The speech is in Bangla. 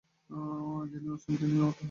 যিনি অসীম, তিনিও তাহারই আত্মা।